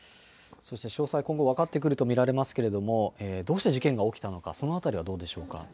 そして詳細、今後分かってくると見られますけれども、どうして事件が起きたのか、そのあたりはどうでしょうか。